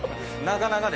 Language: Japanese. なかなか。